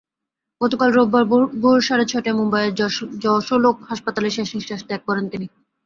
গতকাল রোববার ভোর সাড়ে ছয়টায় মুম্বাইয়ের যশোলোক হাসপাতালে শেষনিঃশ্বাস ত্যাগ করেন তিনি।